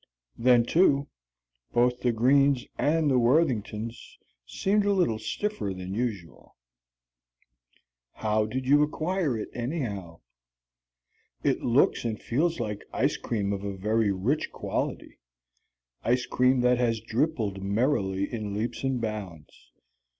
Then, too, both the Greens and the Worthingtons seemed a little stiffer than usual. How did you acquire it, anyhow? It looks and feels like ice cream of a very rich quality; ice cream that has drippled merrily in leaps and bounds.